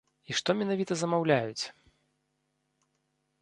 І што менавіта замаўляюць?